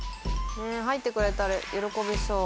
入ってくれたら喜びそう。